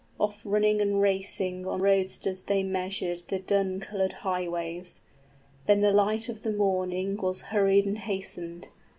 {The story is resumed.} 80 Oft running and racing on roadsters they measured The dun colored highways. Then the light of the morning Was hurried and hastened.